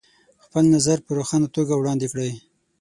خپل نظر په روښانه توګه وړاندې کړئ.